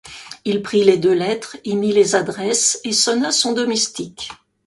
Il prit les deux lettres, y mit les adresses et sonna son domestique.